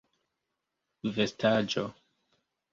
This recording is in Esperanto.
vestaĵo